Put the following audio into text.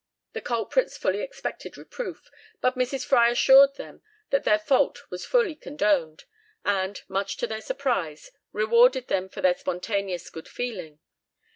The culprits fully expected reproof, but Mrs. Fry assured them that their fault was fully condoned, and, much to their surprise, rewarded them for their spontaneous good feeling.